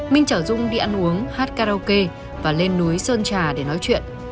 minh chở dung đi ăn uống hát karaoke và lên núi sơn trà để nói chuyện